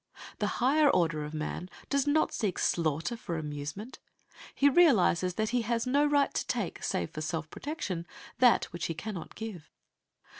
The higher order of man does not seek slaughter for amusement. He realizes that he has no right to take, save for self protection, that which he cannot give.